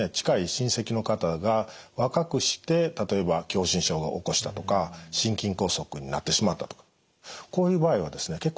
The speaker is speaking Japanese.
近い親戚の方が若くして例えば狭心症を起こしたとか心筋梗塞になってしまったとかこういう場合はですね